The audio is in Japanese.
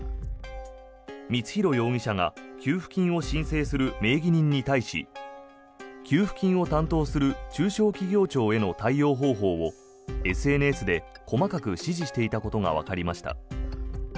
光弘容疑者が給付金を申請する名義人に対し給付金を担当する中小企業庁への対応方法をＳＮＳで細かく指示していたことがわかりました。